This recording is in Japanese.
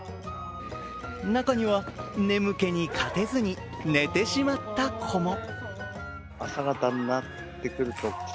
中には眠気に勝てずに寝てしまった子も。